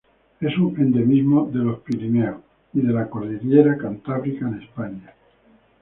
Es un endemismo de los Pirineos y de la Cordillera Cantábrica en España.